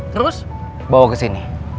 terus bawa ke sini